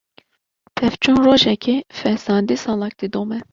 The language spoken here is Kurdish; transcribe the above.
Pevçûn rojekê, fesadî salek didome.